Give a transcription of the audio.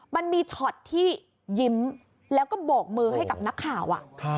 มันมีช็อตที่ยิ้มแล้วก็โบกมือให้กับนักข่าว